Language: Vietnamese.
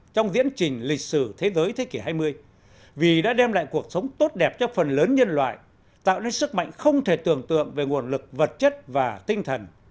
trong diễn trình lịch sử thế giới thế kỷ hai mươi vì đã đem lại cuộc sống tốt đẹp cho phần lớn nhân loại tạo nên sức mạnh không thể tưởng tượng về nguồn lực vật chất và tinh thần